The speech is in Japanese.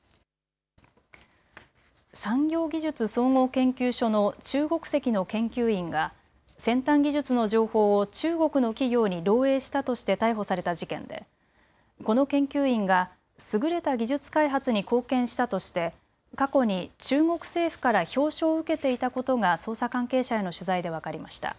産業技術総合研究所の中国籍の研究員が先端技術の情報を中国の企業に漏えいしたとして逮捕された事件でこの研究員が優れた技術開発に貢献したとして過去に中国政府から表彰を受けていたことが捜査関係者への取材で分かりました。